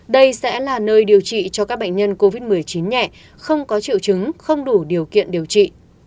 đây sẽ là nơi điều trị cho các bệnh nhân covid một mươi chín nhẹ không có triệu chứng không đủ điều kiện điều trị